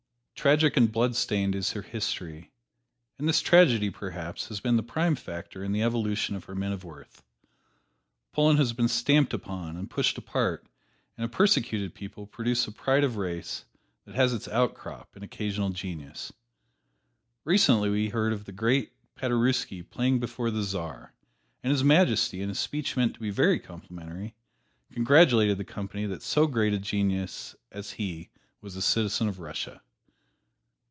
Tragic and blood stained is her history, and this tragedy, perhaps, has been a prime factor in the evolution of her men of worth. Poland has been stamped upon and pushed apart; and a persecuted people produce a pride of race that has its outcrop in occasional genius. Recently we heard of the great Paderewski playing before the Czar, and His Majesty, in a speech meant to be very complimentary, congratulated the company that so great a genius as he was a citizen of Russia.